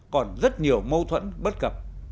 còn rất nhiều mâu thuẫn bất cập